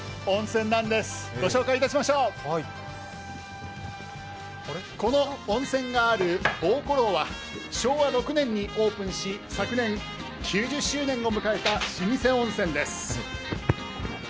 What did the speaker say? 御紹介いたしましょうこの温泉がある望湖楼は昭和６年にオープンし、昨年９０周年を迎えた老舗温泉です。